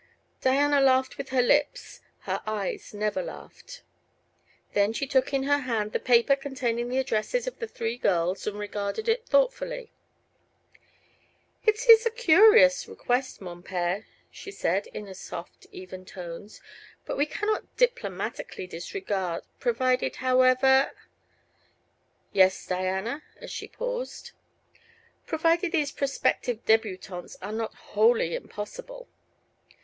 Diana laughed with her lips; her eyes never laughed. Then she took in her hand the paper containing the addresses of the three girls and regarded it thoughtfully. "It is a curious request, mon pere," she said, in her soft, even tones; "but one we cannot diplomatically disregard. Provided, however " "Yes, Diana;" as she paused. "Provided these prospective debutantes are not wholly impossible."